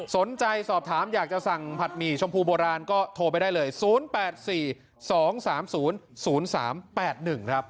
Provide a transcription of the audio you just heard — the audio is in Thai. สนใจสอบถามอยากจะสั่งผัดหมี่ชมพูโบราณก็โทรไปได้เลย๐๘๔๒๓๐๐๓๘๑ครับ